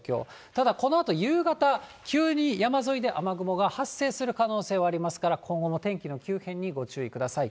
ただ、このあと夕方、急に山沿いで雨雲が発生する可能性はありますから、今後も天気の急変にご注意ください。